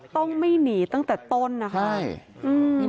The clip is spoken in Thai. ต้องไม่หนีตั้งแต่ต้นนะคะ